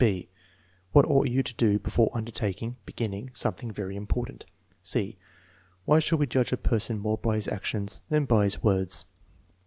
(I) "What ought you to do before undertaking (beginning) something very important?" (c) "Why should we judge a person more by his actions than by his words?"